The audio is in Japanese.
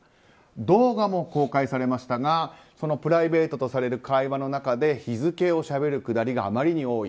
動画も公開されましたがプライベートとされる会話の中で日付をしゃべるくだりがあまりに多い。